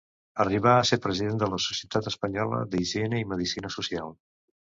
Arribà a ser president de la Societat Espanyola d'Higiene i Medicina Social.